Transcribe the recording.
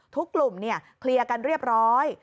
ทุกกลุ่มเคลียร์กันเรียบร้อย